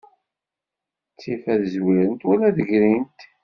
Ttif ad zwirent, wala ad grint.